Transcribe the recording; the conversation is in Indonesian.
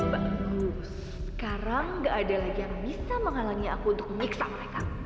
bagus sekarang gak ada lagi yang bisa menghalangi aku untuk menyiksa mereka